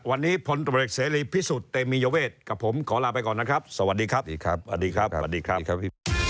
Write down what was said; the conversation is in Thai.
แบบนี้ดีดีครับขอลาไปก่อนนะครับสวัสดีครับ